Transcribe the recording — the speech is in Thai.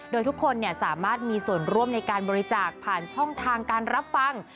โดยทุกคนสามารถมีส่วนร่วมในการบริจาคผ่านช่องทางการรับฟัง